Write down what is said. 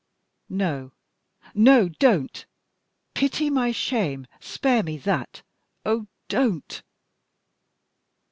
No! no! don't! Pity my shame. Spare me that! Oh, don't!"